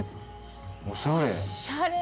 おしゃれ。